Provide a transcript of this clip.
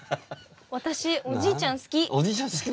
私おじいちゃん好き。